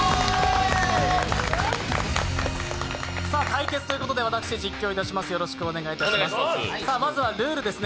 対決ということで私が実況いたします。